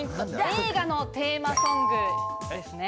映画のテーマソングですね。